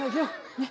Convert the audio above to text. ねっ。